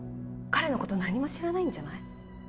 彼のこと何も知らないんじゃない？